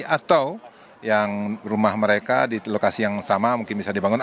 atau yang rumah mereka di lokasi yang sama mungkin bisa dibangun